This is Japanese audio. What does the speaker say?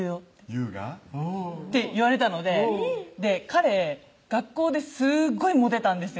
雄が？って言われたので彼学校ですごいモテたんですよ